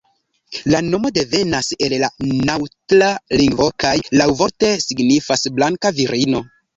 La nomo devenas el la naŭatla lingvo kaj laŭvorte signifas "blanka virino".